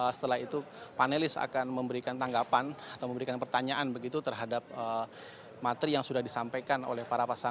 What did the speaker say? setelah itu panelis akan memberikan tanggapan atau memberikan pertanyaan begitu terhadap materi yang sudah disampaikan oleh para pasangan